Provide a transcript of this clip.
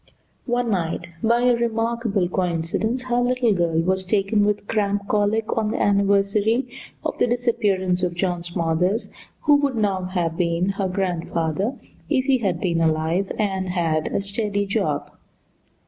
One night by a remarkable coincidence her little girl was taken with cramp colic on the anniversary of the disappearance of John Smothers, who would now have been her grandfather if he had been alive and had a steady job.